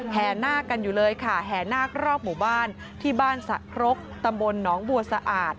แห่นาคกันอยู่เลยค่ะแห่นาครอบหมู่บ้านที่บ้านสะครกตำบลหนองบัวสะอาด